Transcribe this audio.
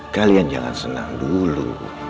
kalian jangan senang dulu